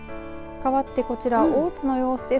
かわってこちら大津の様子です。